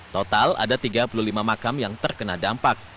total ada tiga puluh lima makam yang terkena dampak